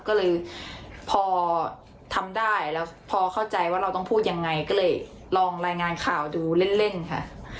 ก็เลยพอทำได้แล้วพอเข้าใจว่าเราต้องพูดยังไงก็เลยลองรายงานข่าวดูเล่นค่ะ